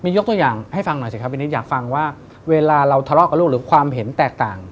ยกตัวอย่างให้ฟังหน่อยสิครับพี่นิดอยากฟังว่าเวลาเราทะเลาะกับลูกหรือความเห็นแตกต่าง